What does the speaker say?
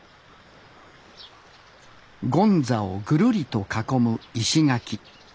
権座をぐるりと囲む石垣。